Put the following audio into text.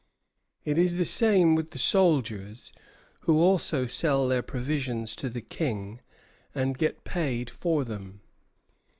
It is the same with the soldiers, who also sell their provisions to the King and get paid for them.